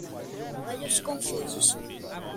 Olhos confusos